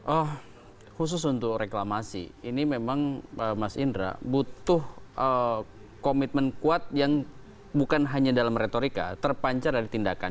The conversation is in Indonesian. oh khusus untuk reklamasi ini memang mas indra butuh komitmen kuat yang bukan hanya dalam retorika terpancar dari tindakan